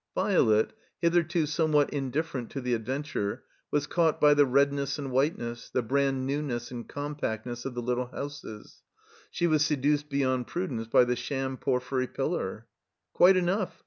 Violet, hitherto somewhat indifferent to the ad venture, was caught by the redness and whiteness, the brandnewness and compactness of the little houses; she was seduced beyond prudence by the sham porphjrry pillar. "Quite enough.